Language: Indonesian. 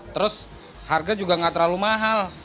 terus harga juga nggak terlalu mahal